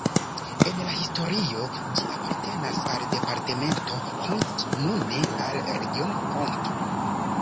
En la historio ĝi apartenis al departemento Hont, nune al regiono Hont.